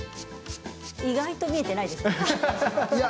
意外と見えていないですか？